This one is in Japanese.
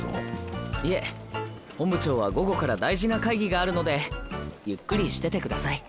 いえ本部長は午後から大事な会議があるのでゆっくりしてて下さい。